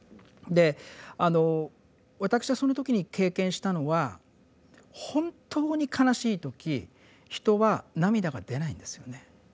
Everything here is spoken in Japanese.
であの私はその時に経験したのは本当に悲しい時人は涙が出ないんですよね。